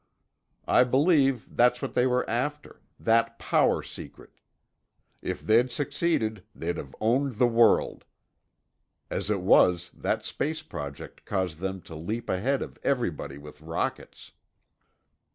I believe that's what they were after—that power secret. If they'd succeeded, they'd have owned the world. As it was, that space project caused them to leap ahead of everybody with rockets."